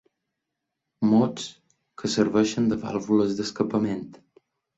Mots que serveixen de vàlvules d'escapament.